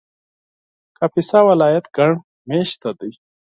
کاپیسا ولایت ګڼ مېشته دی